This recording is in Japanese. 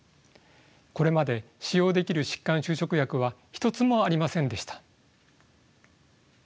これまで使用できる疾患修飾薬は一つもありませんでした。